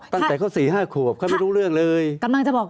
ตั้งแต่เขาสี่ห้าขวบเขาไม่รู้เรื่องเลยกำลังจะบอก